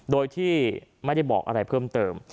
โดยที่ไม่ได้บอกอะไรเพิ่มเติม